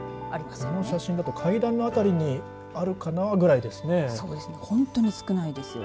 この写真だと階段の辺りにあるかなというぐらいですよね。